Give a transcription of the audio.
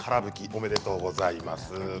おめでとうございます。